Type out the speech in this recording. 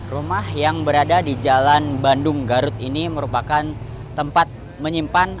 rumah yang berada di jalan bandung garut ini merupakan tempat menyimpan